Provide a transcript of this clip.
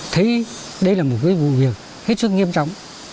thấy đây là một cái vụ việc hết sức nghiêm trọng